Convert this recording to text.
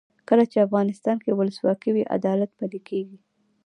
کله چې افغانستان کې ولسواکي وي عدالت پلی کیږي.